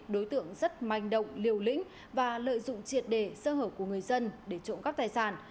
đối tượng rất manh động liều lĩnh và lợi dụng triệt đề sơ hở của người dân để trộm cắp tài sản